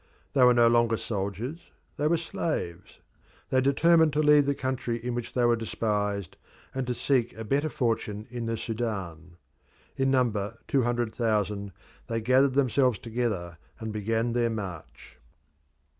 They were no longer soldiers, they were slaves; they determined to leave the country in which they were despised, and to seek a better fortune in the Sudan. In number two hundred thousand, they gathered themselves together and began their march.